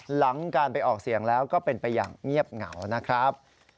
หลังการไปออกเสียงแล้วก็เป็นไปอย่างเงียบเหงานะครับ